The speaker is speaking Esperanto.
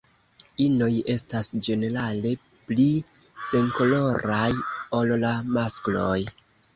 Inoj estas ĝenerale pli senkoloraj ol la maskloj.